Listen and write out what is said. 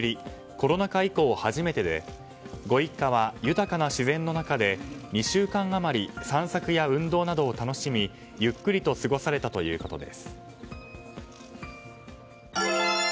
コロナ禍以降、初めてでご一家は豊かな自然の中で２週間余り散策や運動などを楽しみゆっくりと過ごされたということです。